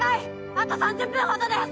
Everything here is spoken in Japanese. あと３０分ほどです！